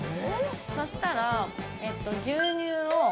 そしたら牛乳を。